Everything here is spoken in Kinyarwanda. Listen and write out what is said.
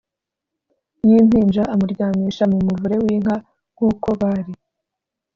y impinja amuryamisha mu muvure w inka kuko bari